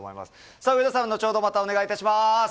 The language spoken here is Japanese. さあ、上田さん、後ほどまたお願いいたします。